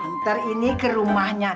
ntar ini ke rumahnya